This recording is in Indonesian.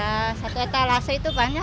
ya satu etalase itu banyak